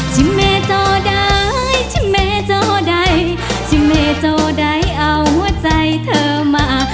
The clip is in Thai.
ชิเมเจ้าใดชิเมเจ้าใดชิเมเจ้าใดเอาใจเธอมา